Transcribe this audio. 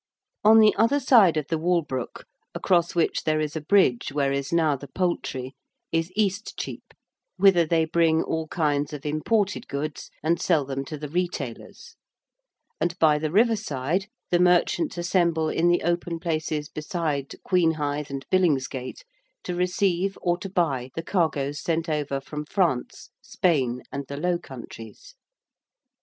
On the other side of the Walbrook, across which there is a bridge where is now the Poultry, is East Chepe, whither they bring all kinds of imported goods and sell them to the retailers: and by the river side the merchants assemble in the open places beside Queenhithe and Billingsgate to receive or to buy the cargoes sent over from France, Spain, and the Low Countries.